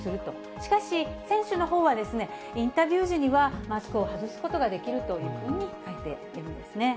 しかし、選手のほうはインタビュー時には、マスクを外すことができるというふうに書いているんですね。